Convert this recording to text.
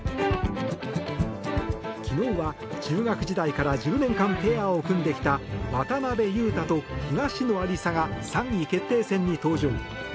昨日は、中学時代から１０年間ペアを組んできた渡辺勇大と東野有紗が３位決定戦に登場。